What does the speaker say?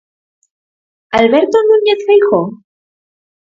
Alberto Núñez Feijóo?